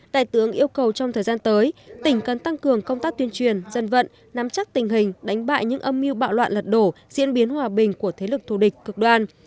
đại tướng yêu cầu trong thời gian tới tỉnh cần tăng cường công tác tuyên truyền dân vận nắm chắc tình hình đánh bại những âm mưu bạo loạn lật đổ diễn biến hòa bình của thế lực thù địch cực đoan